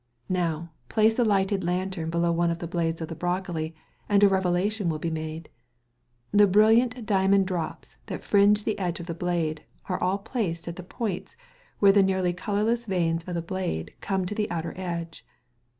Now place a lighted lantern below one of the blades of the broccoli, and a revelation will be made. The brilliant diamond drops that fringe the edge of the blade are all placed at the points where the nearly colourless veins of the blade come to the outer edge.